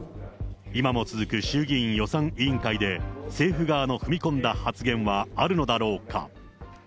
今も続く衆議院予算委員会で、政府側の踏み込んだ発言はあるのだろうか。